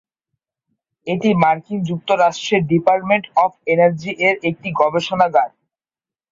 এটি মার্কিন যুক্তরাষ্ট্রের ডিপার্টমেন্ট অব এনার্জি এর একটি গবেষণাগার।